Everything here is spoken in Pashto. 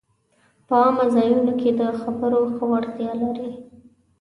په عامه ځایونو کې د خبرو ښه وړتیا لري